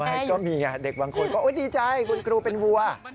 ก็มีไงเด็กบางคนก็ดีใจคุณครูเป็นวัว